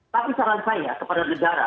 tapi saran saya kepada negara